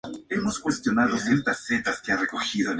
Son uno de los fenómenos solares más espectaculares y raros.